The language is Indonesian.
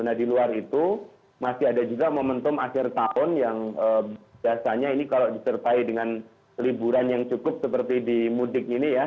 nah di luar itu masih ada juga momentum akhir tahun yang biasanya ini kalau disertai dengan liburan yang cukup seperti di mudik ini ya